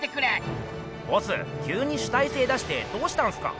ボスきゅうに主体性出してどうしたんすか？